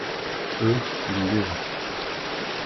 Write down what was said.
Eux, ils lurent.